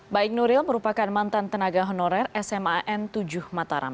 baik nuril merupakan mantan tenaga honorer sman tujuh mataram